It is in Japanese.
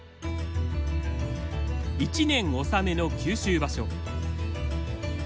一年納めの九州場所。